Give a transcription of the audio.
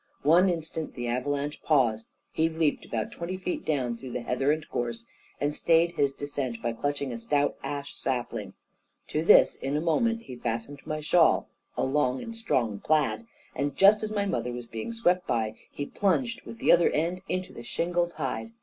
One instant the avalanche paused, he leaped about twenty feet down, through the heather and gorse, and stayed his descent by clutching a stout ash sapling. To this in a moment he fastened my shawl, (a long and strong plaid), and just as my mother was being swept by, he plunged with the other end into the shingle tide.